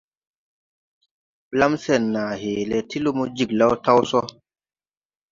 Blam sen naa hee le ti lumo Jiglao taw so.